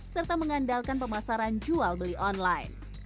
serta mengandalkan pemasaran jual beli online